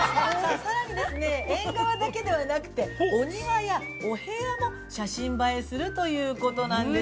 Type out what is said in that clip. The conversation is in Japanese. ◆さらにですね、縁側だけではなくて今や、お部屋も、写真映えするということなんです。